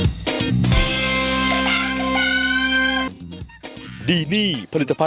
เจี๊ยบมาค่ะ